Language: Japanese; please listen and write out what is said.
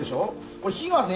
これ火がね